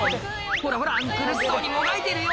ほらほら苦しそうにもがいてるよ